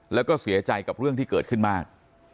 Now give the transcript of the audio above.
แล้วก็เสียใจกับเรื่องที่เกิดขึ้นมาก